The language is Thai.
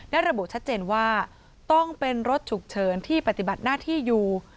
ระบุชัดเจนว่าต้องเป็นรถฉุกเฉินที่ปฏิบัติหน้าที่อยู่